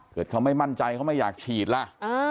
เกิดเขาไม่มั่นใจเขาไม่อยากฉีดล่ะ